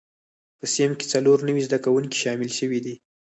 په صنف کې څلور نوي زده کوونکي شامل شوي دي.